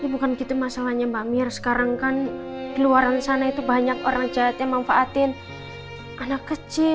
bukan gitu masalahnya mbak mir sekarang kan di luar sana itu banyak orang jahat yang memanfaatin anak kecil